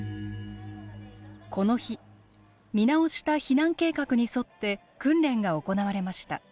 この日見直した避難計画に沿って訓練が行われました。